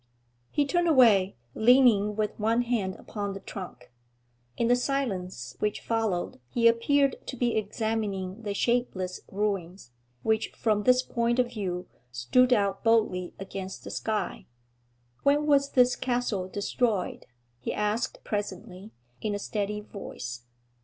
He turned away, leaning with one hand upon the trunk. In the silence which followed he appeared to be examining the shapeless ruins, which, from this point of view, stood out boldly against the sky. 'When was this castle destroyed?' he asked presently, in a steady voice.